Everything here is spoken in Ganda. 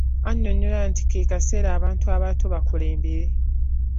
Annyonyola nti ke kaseera abantu abato bakulembere.